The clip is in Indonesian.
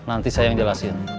nanti saya yang jelasin